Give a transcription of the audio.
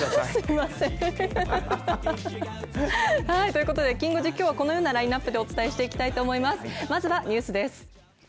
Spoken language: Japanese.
ということできん５時きょうはこのようなラインナップでお伝えしていきたいと思います。